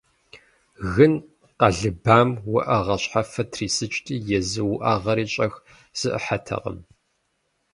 Гын къэлыбам уӏэгъэ щхьэфэр трисыкӏти, езы уӏэгъэри щӏэх зэӏыхьэтэкъым.